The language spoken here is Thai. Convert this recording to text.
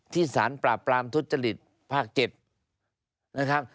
สารปราบปรามทุจริตภาค๗นะครับ